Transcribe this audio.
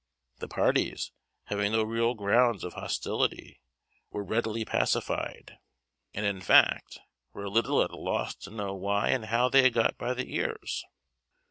The parties, having no real grounds of hostility, were readily pacified, and in fact were a little at a loss to know why and how they had got by the ears.